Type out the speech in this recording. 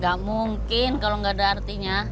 gak mungkin kalau nggak ada artinya